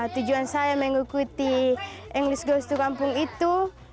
tujuan saya mengikuti englis goes to kampung itu